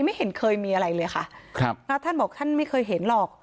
ไม่เห็นเคยมีอะไรเลยค่ะครับพระท่านบอกท่านไม่เคยเห็นหรอก